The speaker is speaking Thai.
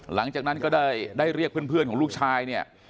หลังจากนั้นก็ได้เรียกเพื่อนของลูกชายเนี่ย